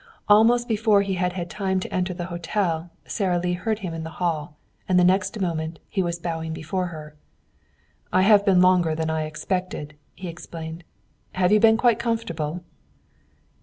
Almost before he had had time to enter the hotel Sara Lee heard him in the hall, and the next moment he was bowing before her. "I have been longer than I expected," he explained. "Have you been quite comfortable?"